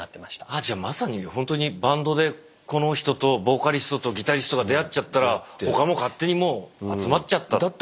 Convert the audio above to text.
じゃあまさにほんとにバンドでこの人とボーカリストとギタリストが出会っちゃったら他も勝手にもう集まっちゃったという。